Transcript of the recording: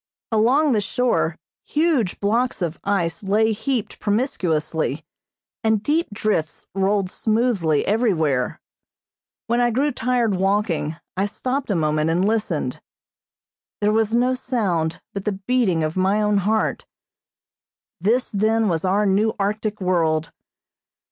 Along the shore huge blocks of ice lay heaped promiscuously, and deep drifts rolled smoothly everywhere. When I grew tired walking I stopped a moment and listened. There was no sound but the beating of my own heart. This then was our new Arctic world.